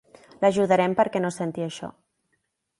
L'ajudarem perquè no senti això.